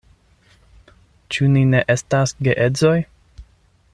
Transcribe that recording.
Ĉu ni ne estas geedzoj?